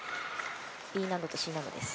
Ｂ難度とＣ難度です。